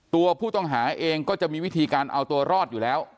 ตัวผู้ต้องหาเองก็จะมีวิธีการเอาตัวรอดอยู่แล้ว